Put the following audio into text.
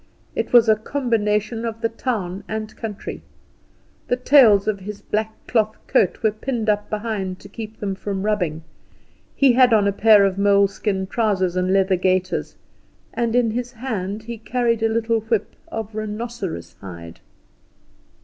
It was a combination of the town and country. The tails of his black cloth coat were pinned up behind to keep them from rubbing; he had on a pair of moleskin trousers and leather gaiters, and in his hand he carried a little whip of rhinoceros hide.